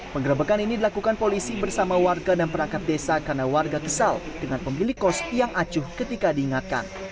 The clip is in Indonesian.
penggerebekan ini dilakukan polisi bersama warga dan perangkat desa karena warga kesal dengan pemilik kos yang acuh ketika diingatkan